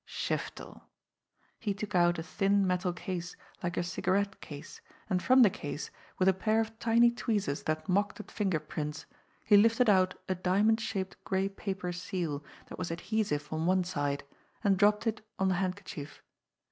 Shiftel! He took out a thin metal case, like a cigarette case, and from the case, with a 36 JIMMIE DALE AND THE PHANTOM CLUE pair of tiny tweezers that mocked at finger prints, he lifted out a diamond shaped gray paper seal that was adhesive on one side, and dropped it on the handkerchief.